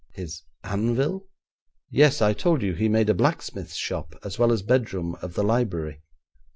'His anvil?' 'Yes; I told you he made a blacksmith's shop, as well as bedroom, of the library.